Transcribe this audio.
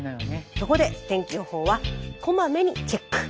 そこで天気予報はこまめにチェック。